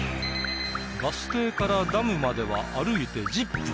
バス停からダムまでは歩いて１０分。